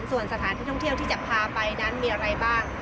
ส่วนสถานที่ท่องเที่ยวที่จะพาไปนั้นมีอะไรบ้าง